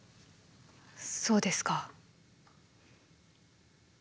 そうですか。